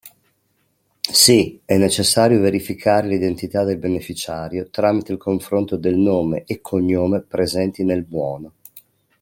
Sì, è necessario verificare l'identità del beneficiario tramite il confronto del nome e cognome presenti nel buono.